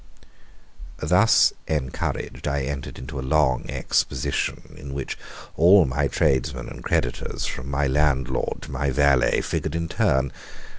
Thus encouraged, I entered into a long exposition, in which all my tradesmen and creditors from my landlord to my valet, figured in turn.